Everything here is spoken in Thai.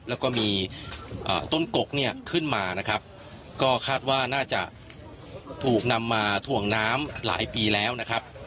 แล้วก็มีต้นกกเนี่ยขึ้นมานะครับก็คาดว่าน่าจะถูกนำมาถ่วงน้ำหลายปีแล้วนะครับ